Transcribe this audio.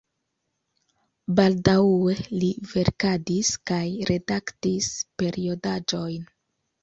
Baldaŭe li verkadis kaj redaktis periodaĵojn.